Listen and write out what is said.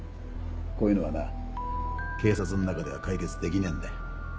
こういうのはな警察の中では解決できねえんだよ。